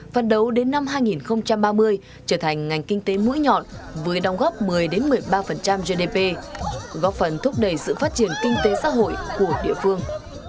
phần đầu đến năm hai nghìn ba mươi trở thành ngành kinh tế mũi nhọn với đóng góp một mươi một mươi ba gdp góp phần thúc đẩy sự phát triển kinh tế xã hội của địa phương